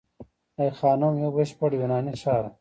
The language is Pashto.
ای خانم یو بشپړ یوناني ښار و